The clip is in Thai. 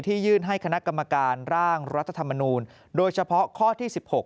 ยื่นให้คณะกรรมการร่างรัฐธรรมนูลโดยเฉพาะข้อที่๑๖